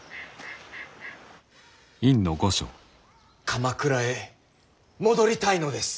鎌倉へ戻りたいのです。